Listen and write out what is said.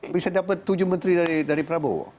bisa dapat tujuh menteri dari prabowo